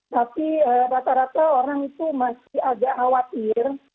tapi rata rata orang itu masih agak khawatir